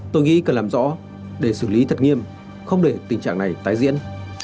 tôi nghĩ cần làm rõ để xử lý thật nghiêm không để tình trạng này tái diễn